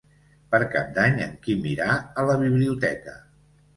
Per Cap d'Any en Quim irà a la biblioteca.